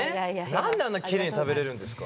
何であんなキレイに食べれるんですか？